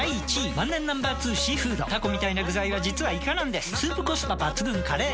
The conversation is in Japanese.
万年Ｎｏ．２「シーフード」タコみたいな具材は実はイカなんですスープコスパ抜群「カレー」！